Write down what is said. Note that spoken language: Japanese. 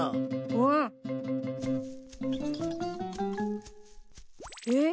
うん。えっ？